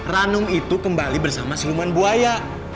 ranung itu kembali bersama siluman buaya